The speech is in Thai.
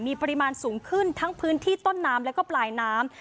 มีปริมาณสูงขึ้นทั้งพื้นที่ต้นน้ำแล้วก็ปลายน้ำ